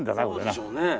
そうでしょうね。